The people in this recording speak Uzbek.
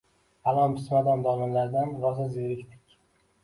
«Falon-pismadon domlalardan rosa zerikdik.